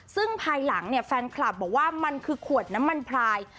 ซึ่งภายหลังนะมันคือขวดน้ำมันพลาย